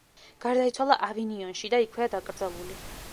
გარდაიცვალა ავინიონში და იქვეა დაკრძალული.